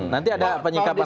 nanti ada penyikapan resmi